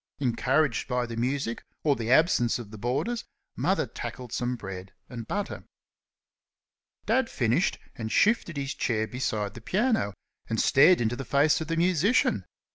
Encouraged by the music or the absence of the boarders, Mother tackled some bread and butter. Dad finished, and shifted his chair beside the piano and stared into the face of the musician.